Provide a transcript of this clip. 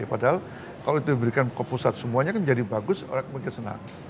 padahal kalau itu diberikan ke pusat semuanya kan jadi bagus orang mungkin senang